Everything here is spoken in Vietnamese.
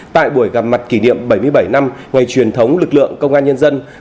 tại buổi gặp mặt kỷ niệm bảy mươi bảy năm ngày truyền thống lực lượng công an nhân dân